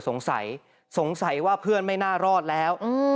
สงสัยสงสัยว่าเพื่อนไม่น่ารอดแล้ว